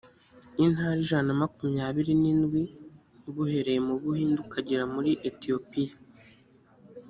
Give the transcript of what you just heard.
intara ijana na makumyabiri n indwi b uhereye mu buhindi ukagera muri etiyopiya